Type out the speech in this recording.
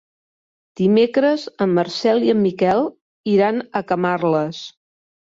Dimecres en Marcel i en Miquel iran a Camarles.